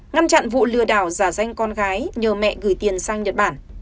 ngăn chặn vụ lừa đảo giả danh con gái nhờ mẹ gửi tiền sang nhật bản